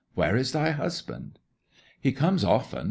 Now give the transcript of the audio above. Where is thy husband?' 'He comes often.